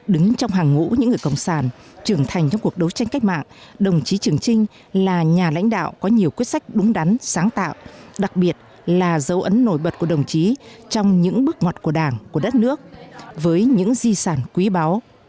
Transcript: đứng trong hàng ngũ những người cộng sản trưởng thành trong cuộc đấu tranh cách mạng đồng chí trường trinh là nhà lãnh đạo có nhiều quyết sách đúng đắn sáng tạo đặc biệt là dấu ấn nổi bật của đồng chí trong những bước ngoặt của đảng của đất nước với những di sản quý báu